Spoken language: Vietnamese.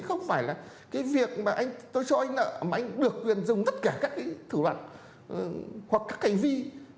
không phải là cái việc mà tôi cho anh nợ mà anh được quyền dùng tất cả các thủ đoạn hoặc các cành vi